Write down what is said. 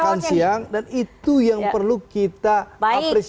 makan siang dan itu yang perlu kita apresiasi